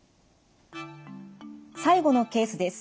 最後のケースです。